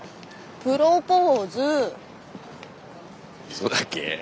そうだっけ？